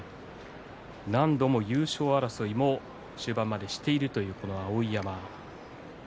何度も優勝争いを終盤までしているというこの碧山。